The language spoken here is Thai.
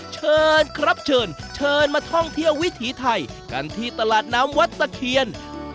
เชิญครับเชิญเชิญมาท่องเที่ยววิถีไทยกันที่ตลาดน้ำวัดตะเคียน